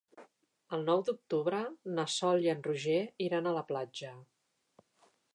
El nou d'octubre na Sol i en Roger iran a la platja.